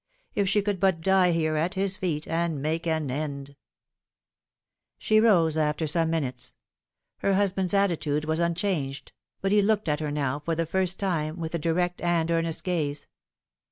If she could but die there, at his feet, and make an end ! She rose after some minutes. Her husband's attitude was unchanged ; but he looked at her now, for the first time, with a direct and earnest gaze.